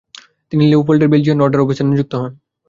তিনি লিওপোল্ডের Belgian order officer নিযুক্ত হন।